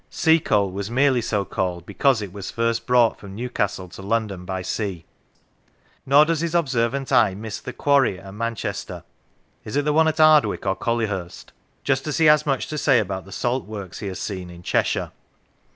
(Sea coal was merely so called because it was first brought from Newcastle to London by sea.) Nor does his observant eye miss the " quarry " at Man chester (is it the one at Ardwick or Collyhurst ?), just as he has much to say about the salt works he has seen in Cheshire.